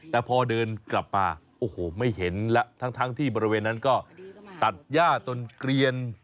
แต่พอเดินกลับมาโอ้โหไม่เห็นแล้วทั้งที่บริเวณนั้นก็ตัดย่าจนเกลียน